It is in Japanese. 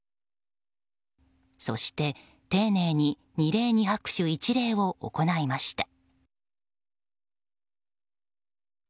そして、丁寧に二礼二拍手一礼を行いました。